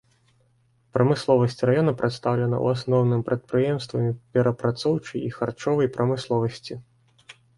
Прамысловасць раёна прадстаўлена, у асноўным, прадпрыемствамі перапрацоўчай і харчовай прамысловасці.